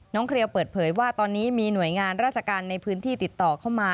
เคลียร์เปิดเผยว่าตอนนี้มีหน่วยงานราชการในพื้นที่ติดต่อเข้ามา